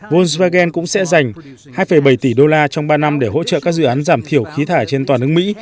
volkswagen cũng sẽ dành hai bảy tỷ đô la trong ba năm để hỗ trợ các dự án giảm thiểu khí thải trên toàn nước mỹ